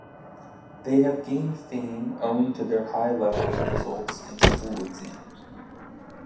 They have gained fame owing to their high level of results in school exams.